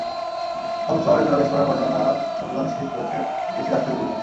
Holmes শহরে জোড়া বিস্ফোরণের ঘটনার সত্যতা নিশ্চিত করেছে দেশটির রাষ্ট্রীয় টেলিভিশন।